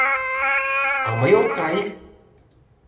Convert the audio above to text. — А мый ом кай!